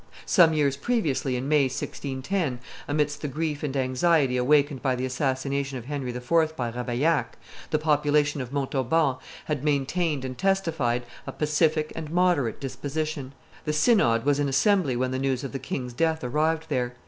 Some years previously, in May, 1610, amidst the grief and anxiety awakened by the assassination of Henry IV. by Ravaillac, the population of Montauban had maintained and testified a pacific and moderate disposition. The synod was in assembly when the news of the king's death arrived there.